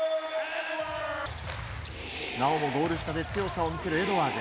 なおもゴール下で強さを見せるエドワーズ。